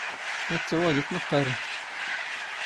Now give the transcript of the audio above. ⵎⴰⵜⵜⴰ ⵡⴰⴷ ⵉⵜⵜⵏⵇⵇⴰⵔⵏ?